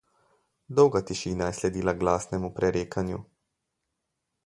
Dolga tišina je sledila glasnemu prerekanju.